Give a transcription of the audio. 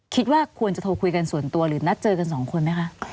คิดว่าควรจะโทรคุยกันส่วนตัวหรือนัดเจอกันสองคนไหมคะ